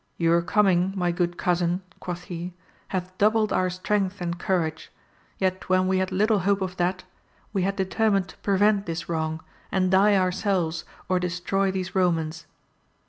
Your coming my good cousin, quoth he, hath doubled our strength and courage, yet when we had little hope of that, we had determined to prevent this wrong, and die ourselves or destroy these Romans.